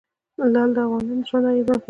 لعل د افغانانو ژوند اغېزمن کوي.